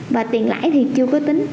và tiền lãi thì chưa có tính